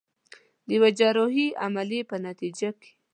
د يوې جراحي عمليې په نتيجه کې.